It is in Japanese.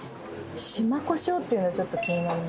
島こしょうっていうのちょっと気になります。